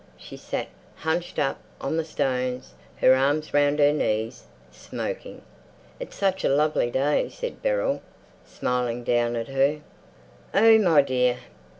She sat hunched up on the stones, her arms round her knees, smoking. "It's such a lovely day," said Beryl, smiling down at her. "Oh my dear!"